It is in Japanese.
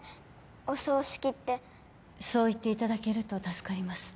お葬式ってそう言っていただけると助かります